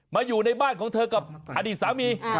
อยู่ในบ้านของเธอกับอดีตสามี